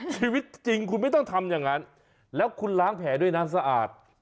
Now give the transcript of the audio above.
ชีวิตจริงคุณไม่ต้องทำอย่างนั้นแล้วคุณล้างแผลด้วยน้ำสะอาด